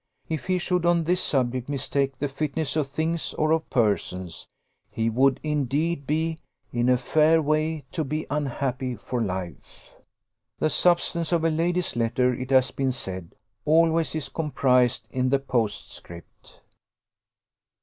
If he should, on this subject, mistake the fitness of things or of persons, he would indeed be in a fair way to be unhappy for life. "The substance of a lady's letter, it has been said, always is comprised in the postscript."